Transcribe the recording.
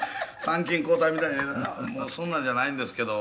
参勤交代みたいにそんなんじゃないんですけど」